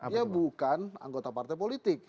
dia bukan anggota partai politik